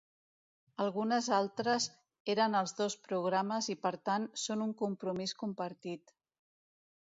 Algunes altres eren als dos programes i per tant són un compromís compartit.